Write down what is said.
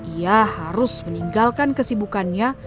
ia harus meninggalkan kesibukannya